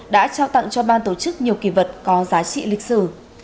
đã trao tặng cho ban tổ chức nhiều kỳ vật có giá trị lịch sử